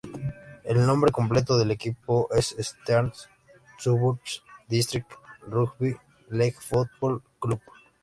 El nombre completo del equipo es Eastern Suburbs District Rugby League Football Club.